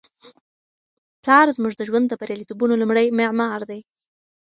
پلار زموږ د ژوند د بریالیتوبونو لومړی معمار دی.